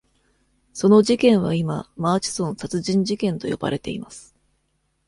その事件は今、マーチソン殺人事件と呼ばれています。